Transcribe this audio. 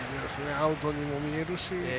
アウトにも見えるし。